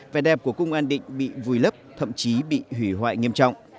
vẻ đẹp của cung an định bị vùi lấp thậm chí bị hủy hoại nghiêm trọng